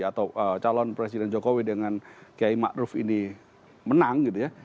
atau calon presiden jokowi dengan kiai ma'ruf ini menang gitu ya